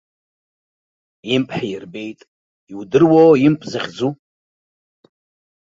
Имп ҳирбеит, иудыруоу имп захьӡу?